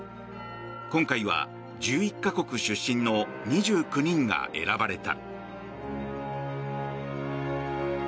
今回は１１か国出身の２９人が選ばれた。